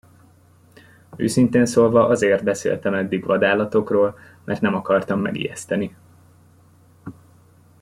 Őszintén szólva azért beszéltem eddig vadállatokról, mert nem akartam megijeszteni.